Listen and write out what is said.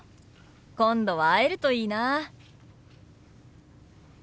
今度は会えるといいな。